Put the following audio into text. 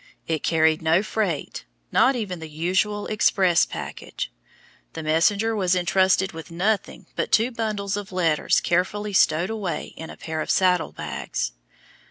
It carried no freight, not even the usual express package. The messenger was intrusted with nothing but two bundles of letters carefully stowed away in a pair of saddle bags.